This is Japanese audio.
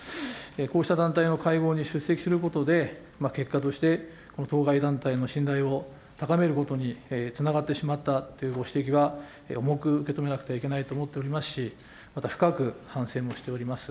こうした団体の会合に出席することで、結果として当該団体の信頼を高めることにつながってしまったというご指摘は、重く受け止めなければいけないと思っておりますし、また深く反省もしております。